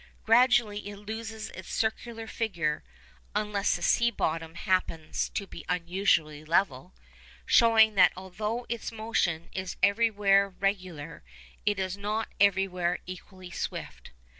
Gradually it loses its circular figure (unless the sea bottom happens to be unusually level), showing that although its motion is everywhere regular, it is not everywhere equally swift.